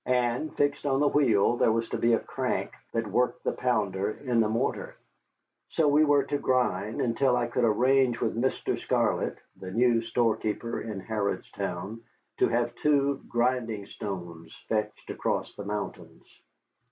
And fixed on the wheel there was to be a crank that worked the pounder in the mortar. So we were to grind until I could arrange with Mr. Scarlett, the new storekeeper in Harrodstown, to have two grinding stones fetched across the mountains.